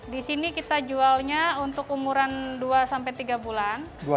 di sini kita jualnya untuk umuran dua sampai tiga bulan